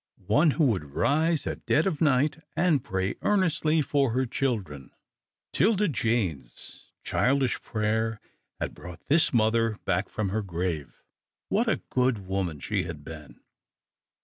One who would rise at dead of night and pray earnestly for her children. 'Tilda Jane's childish prayer had brought back this mother from her grave. What a good woman she had been!